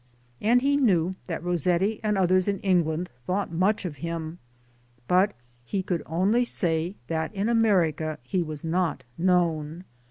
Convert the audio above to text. And he knew that Rossetti and others in England thought much of him ; but he could only say that in America he was not known.